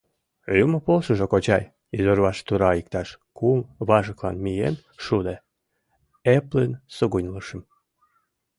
— Юмо полшыжо, кочай, — изорваж тура иктаж кум важыклан миен шуде, эплын сугыньлышым.